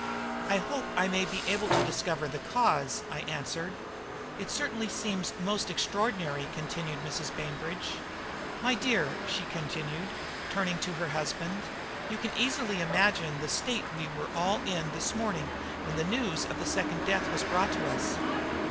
"I hope I may be able to discover the cause," I answered. "It certainly seems most extraordinary," continued Mrs. Bainbridge. "My dear," she continued, turning to her husband, "you can easily imagine the state we were all in this morning when the news of the second death was brought to us."